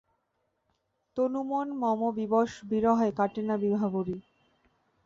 তনুমন মম বিবশ বিরহে কাটেনা বিভাবরী।